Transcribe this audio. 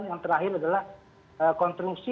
yang terakhir adalah konstruksi